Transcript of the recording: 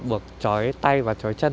buộc chói tay và chói chân